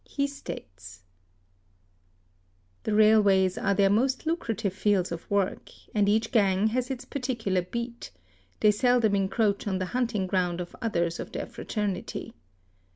He states: "The railways are their most lucrative fields of work, and each gang has its particular beat: they seldom encroach on the hunting ground of _ others of their fraternity.